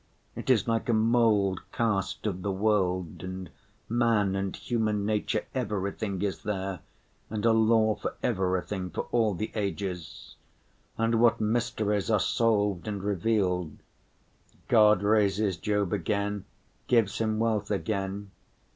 It is like a mold cast of the world and man and human nature, everything is there, and a law for everything for all the ages. And what mysteries are solved and revealed! God raises Job again, gives him wealth again.